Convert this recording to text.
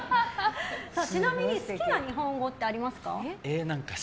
ちなみに好きな日本語ってありますか？